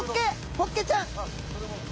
ホッケちゃん。